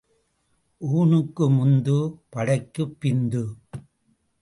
ஊணுக்கு முந்து, படைக்குப் பிந்து.